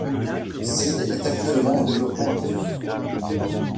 Seed est actuellement en développement actif.